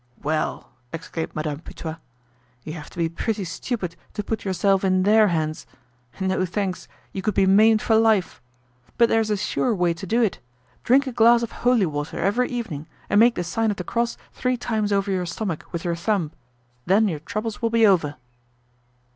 "Well!" exclaimed Madame Putois. "You have to be pretty stupid to put yourself in their hands. No thanks, you could be maimed for life. But there's a sure way to do it. Drink a glass of holy water every evening and make the sign of the cross three times over your stomach with your thumb. Then your troubles will be over."